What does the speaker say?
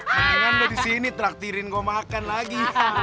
nah kan gue disini traktirin gue makan lagi